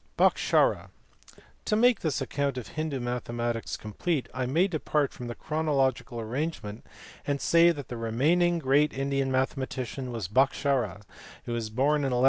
Bhaskara. To make this account of Hindoo mathematics complete, I may depart from the chronological arrangement and say that the remaining great Indian mathematician was Bhaskara who was born in 1114.